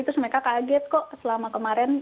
terus mereka kaget kok selama kemarin